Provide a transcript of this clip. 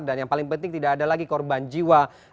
dan yang paling penting tidak ada lagi korban jiwa